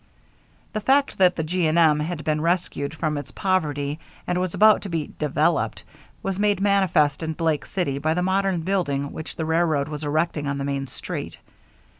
The fact that the G. & M. had been rescued from its poverty and was about to be "developed" was made manifest in Blake City by the modern building which the railroad was erecting on the main street.